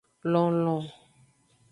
Lonlon.